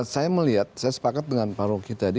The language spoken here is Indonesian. saya melihat saya sepakat dengan pak rocky tadi